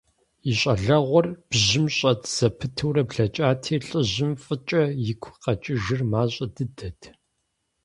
И щӀалэгъуэр бжьым щӀэт зэпытурэ блэкӀати, лӀыжьым фӀыкӀэ игу къэкӀыжыр мащӀэ дыдэт.